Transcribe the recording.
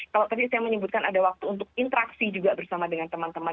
kalau tadi saya menyebutkan ada waktu untuk interaksi juga bersama dengan teman teman